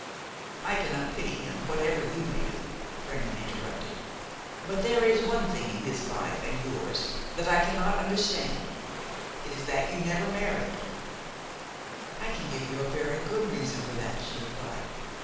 "I cannot pity him, whatever you may do," Raymon interrupted; "but there is one thing in his life and yours that I cannot understand: it is that you never married." "I can give you a very good reason for that," she replied.